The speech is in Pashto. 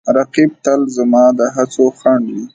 رقیب تل زما د هڅو خنډ وي